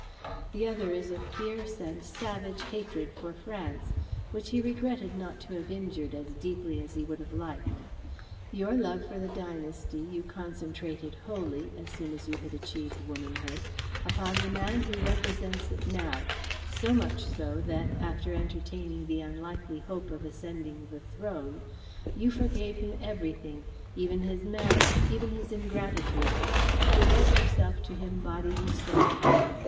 The other is a fierce and savage hatred for France, which he regretted not to have injured as deeply as he would have liked. Your love for the dynasty you concentrated wholly, as soon as you had achieved womanhood, upon the man who represents it now, so much so that, after entertaining the unlikely hope of ascending the throne, you forgave him everything, even his marriage, even his ingratitude, to devote yourself to him body and soul.